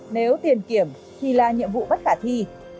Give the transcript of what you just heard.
nếu tiền kiểm thì là nhiệm vụ bất khả thi